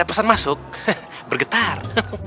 itu maksudnya nakal